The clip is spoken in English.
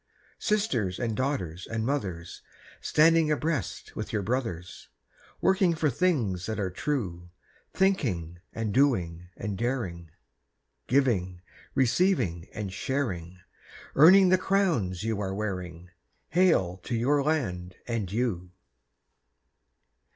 Sisters and daughters and mothers, Standing abreast with your brothers, Working for things that are true; Thinking and doing and daring, Giving, receiving, and sharing, Earning the crowns you are wearing— Hail to your land and you!